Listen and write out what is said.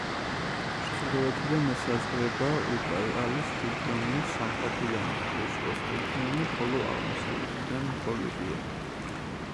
ჩრდილოეთიდან ესაზღვრება უკაიალის რეგიონი, სამხრეთიდან კუსკოს რეგიონი, ხოლო აღმოსავლეთიდან ბოლივია.